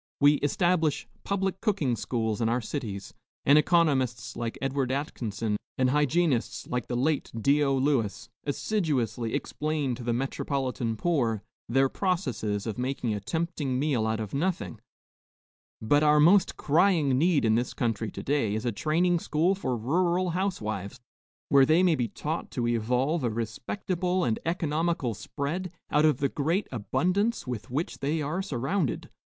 We establish public cooking schools in our cities, and economists like Edward Atkinson and hygienists like the late Dio Lewis assiduously explain to the metropolitan poor their processes of making a tempting meal out of nothing; but our most crying need in this country to day is a training school for rural housewives, where they may be taught to evolve a respectable and economical spread out of the great abundance with which they are surrounded.